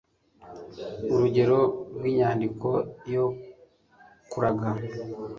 urugero rw'inyandiko yo kuraga